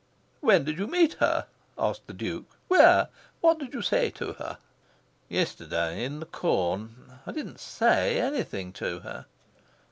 "When did you meet her?" asked the Duke. "Where? What did you say to her?" "Yesterday. In the Corn. I didn't SAY anything to her."